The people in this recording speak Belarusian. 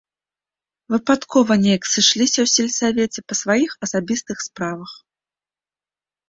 Выпадкова неяк сышліся ў сельсавеце па сваіх асабістых справах.